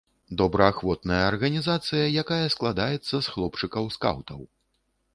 Добраахвотная арганізацыя, якая складаецца з хлопчыкаў-скаўтаў.